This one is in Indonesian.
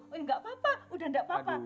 udah gak papa udah gak papa